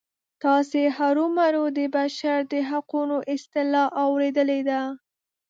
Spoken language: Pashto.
تاسې هرومرو د بشر د حقونو اصطلاح اوریدلې ده.